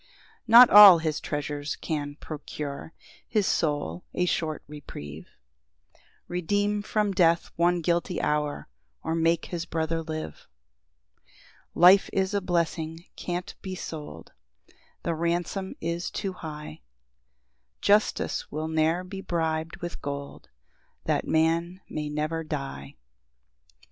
] 3 Not all his treasures can procure His soul a short reprieve, Redeem from death one guilty hour, Or make his brother live. 4 [Life is a blessing can't be sold, The ransom is too high; Justice will ne'er be brib'd with gold That man may never die.